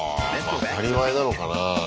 当たり前なのかな？